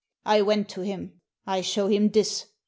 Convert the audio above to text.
I went to him. I show him this.